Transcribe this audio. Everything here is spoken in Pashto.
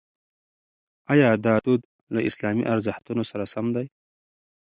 ایا دا دود له اسلامي ارزښتونو سره سم دی؟